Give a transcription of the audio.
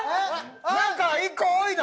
なんか１個多いな！